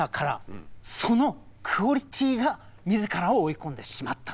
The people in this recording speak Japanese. そのクオリティーが自らを追い込んでしまったと。